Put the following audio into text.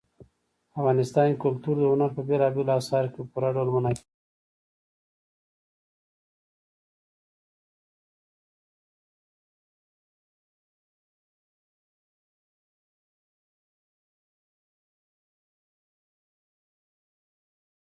کندهار د افغانستان د نورو ولایاتو په کچه ځانګړی توپیر لري.